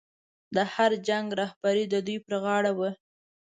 د هر جنګ رهبري د دوی پر غاړه وه.